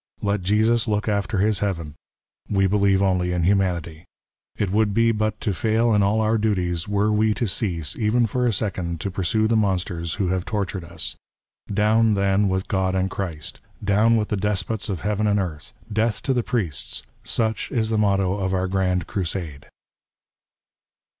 " Let Jesus look after his heaven. We believe " only in humanity. It would be but to fail in all our " duties w^ere we to cease, even for a second, to pursue " the monsters who have tortured us. PREFACE. X\ll " Down, tlien, with God and with Christ ! Down " with the despots of heaven and earth ! Death to the " priests ! Such is the motto of our grand Crusade."